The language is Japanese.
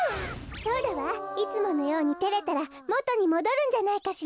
そうだわいつものようにてれたらもとにもどるんじゃないかしら？